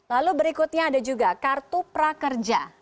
lalu berikutnya ada juga kartu prakerja